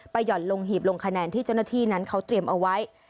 หย่อนลงหีบลงคะแนนที่เจ้าหน้าที่นั้นเขาเตรียมเอาไว้